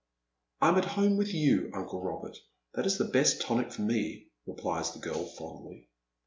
" I am at home with you, uncle Eobert ; that is the best tonic for me,'' replies the girl fondly.